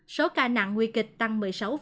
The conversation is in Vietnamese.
số ca nặng nguy kịch tăng một mươi sáu